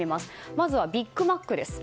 まずはビッグマックです。